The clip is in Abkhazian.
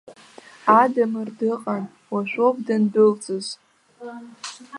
Адамыр дыҟан, уажәоуп данындәылҵыз.